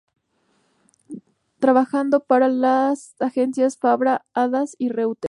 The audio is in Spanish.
Trabajando para las agencias Fabra, Havas y Reuter.